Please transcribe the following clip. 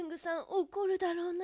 おこるだろうな。